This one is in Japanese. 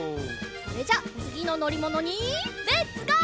それじゃあつぎののりものにレッツゴー！